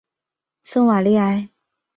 圣瓦利埃。